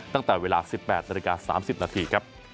ตั้งแต่เวลา๑๘นาฬิกา๓๐นาทีครับ